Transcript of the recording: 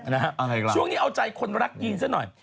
อะไรล่ะช่วงนี้เอาใจคนรักยีนซะหน่อย